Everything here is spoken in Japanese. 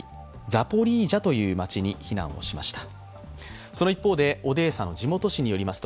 ザポリージャという街に避難しました。